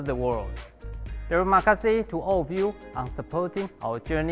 terima kasih kepada anda semua yang mendukung perjalanan kami sampai hari ini